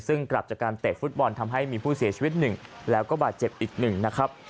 ซึ่งกลับจากการเตะฟุตบอลทำให้มีผู้เสียชีวิตหนึ่งแล้วก็บาดเจ็บอีกหนึ่งนะครับ